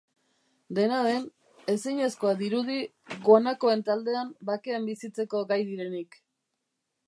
Dena den, ezinezkoa dirudi guanakoen taldean bakean bizitzeko gai direnik.